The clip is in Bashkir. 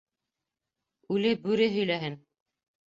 — Үле Бүре һөйләһен.